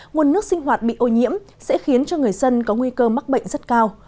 nguồn nước sinh hoạt bị ô nhiễm sẽ khiến cho người dân có nguy cơ mắc bệnh rất cao